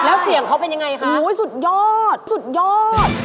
แล้วเสียงเขาเป็นยังไงคะสุดยอดสุดยอด